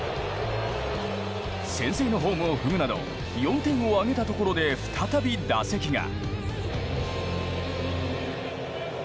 先制のホームを踏むなど４点を挙げたところで再び、打席が。